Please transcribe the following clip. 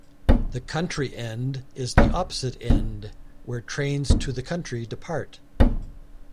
The "country end" is the opposite end, where trains to the country depart.